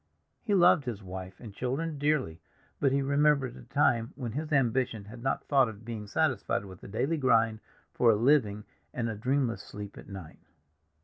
He loved his wife and children dearly, but he remembered a time when his ambition had not thought of being satisfied with the daily grind for a living and a dreamless sleep at night.